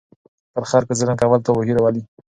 پر خلکو ظلم کول تباهي راولي.